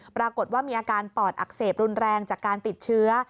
ปรากฏว่ามีอาการปอดอักเสบรุนแรงจากการติดเชื้อ